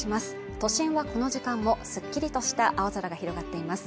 都心はこの時間すっきりとした青空が広がっています